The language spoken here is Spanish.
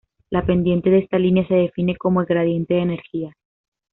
La pendiente de esta línea se define como el "gradiente de energía".